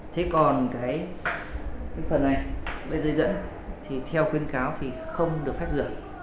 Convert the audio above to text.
thế còn cái phần này cái dây dẫn thì theo khuyến cáo thì không được phép rửa